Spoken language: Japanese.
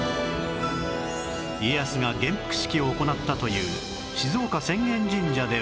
家康が元服式を行ったという静岡浅間神社では